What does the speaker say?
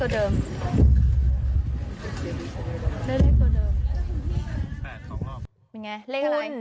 ได้เลขตัวเดิม